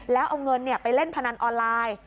แล้วเอาเงินไปเล่นพนันออนไลน์